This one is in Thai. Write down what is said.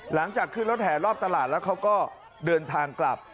หลังจากขึ้นรถแห่รอบตลาดแล้วเขาก็เดินทางกลับ